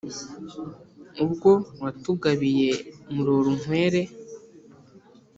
ubwo watugabiye murorunkwere